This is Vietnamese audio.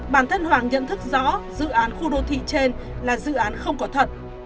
bản thân hoàng nhận thức rõ dự án khu đô thị trên là dự án không có thật